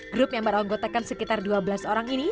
grup yang bardziej anggotekan sekitar dua belas orang ini